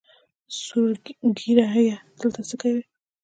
سور ږیریه دلته څۀ کوې؟